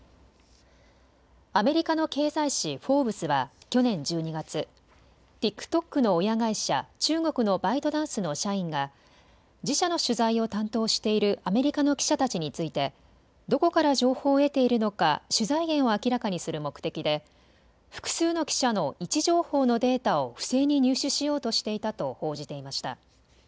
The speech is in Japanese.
アメリカの経済誌フォーブスは去年１２月、ＴｉｋＴｏｋの親会社中国のバイトダンスの社員が自社の取材を担当しているアメリカの記者たちについてどこから情報を得ているのか取材源を明らかにする目的で複数の記者の位置情報のデータを不正に入手しようとしていたと報じていました。